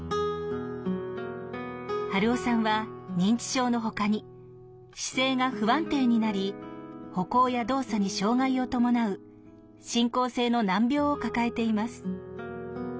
春雄さんは認知症のほかに姿勢が不安定になり歩行や動作に障害を伴う進行性の難病を抱えています。